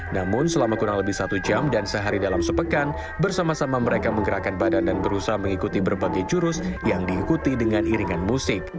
namun selama kurang lebih satu jam dan sehari dalam sepekan bersama sama mereka menggerakkan badan dan berusaha mengikuti berbagai jurus yang diikuti dengan iringan musik